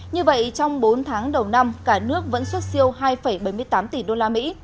như vậy trong bốn tháng đầu năm cả nước vẫn xuất siêu hai bảy mươi tám tỷ usd